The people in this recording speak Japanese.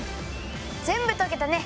全部とけたね。